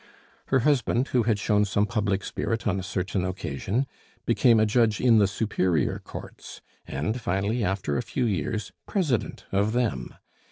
Her husband, who had shown some public spirit on a certain occasion, became a judge in the superior courts, and finally, after a few years, president of them.